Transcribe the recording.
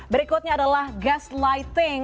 berikutnya adalah gaslighting